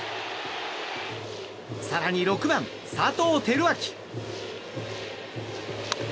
更に６番、佐藤輝明。